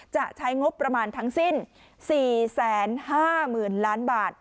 จะใช้งบประมาณทั้งสิ้น๔๕๐๐๐ล้านบาท